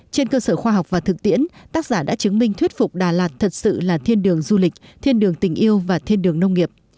trên cơ sở khoa học và thực tiễn tác giả đã chứng minh thuyết phục đà lạt thật sự là thiên đường du lịch thiên đường tình yêu và thiên đường nông nghiệp